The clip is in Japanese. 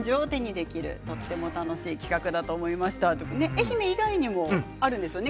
愛媛以外にもあるんですね。